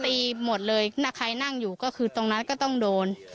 หมดเลยถ้าใครนั่งอยู่ก็คือตรงนั้นก็ต้องโดน